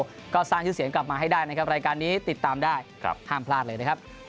ก็กลายเรื่องของเรื่องนี้ที่งานกันกลับมาให้ได้นะครับรายการนี้ติดตามถ่ายได้ห้ามพลาดเลยนะครับ